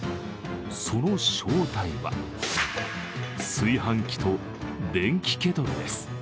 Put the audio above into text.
その正体は炊飯器と電気ケトルです。